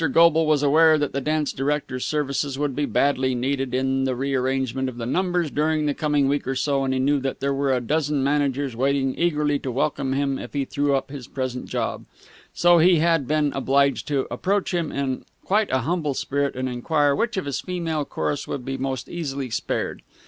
Goble was aware that the dance director's services would be badly needed in the re arrangement of the numbers during the coming week or so, and he knew that there were a dozen managers waiting eagerly to welcome him if he threw up his present job, so he had been obliged to approach him in quite a humble spirit and enquire which of his female chorus could be most easily spared.